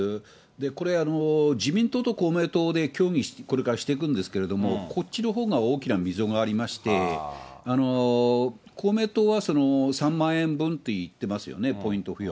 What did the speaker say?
これ、自民党と公明党で協議、これからしていくんですけれども、こっちのほうが大きな溝がありまして、公明党は３万円分って言ってますよね、ポイント付与。